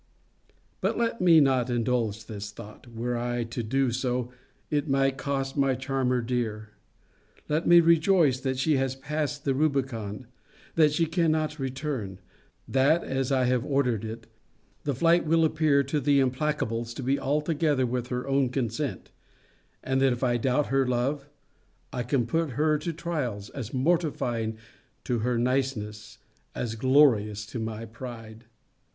But let me not indulge this thought. Were I to do so, it might cost my charmer dear. Let me rejoice, that she has passed the rubicon: that she cannot return: that, as I have ordered it, the flight will appear to the implacables to be altogether with her own consent: and that if I doubt her love, I can put her to trials as mortifying to her niceness, as glorious to my pride.